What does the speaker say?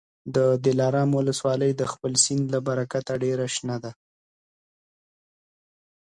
د دلارام ولسوالي د خپل سیند له برکته ډېره شنه ده.